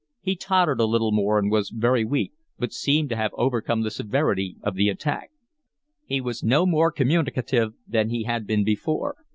He tottered a little more and was very weak, but seemed to have overcome the severity of the attack. He was no more communicative than he had been before.